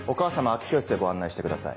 空き教室へご案内してください。